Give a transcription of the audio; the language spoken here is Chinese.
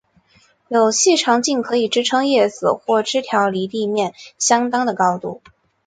有细长茎可以支持叶子或枝条离地面相当的高度。